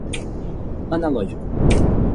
analógico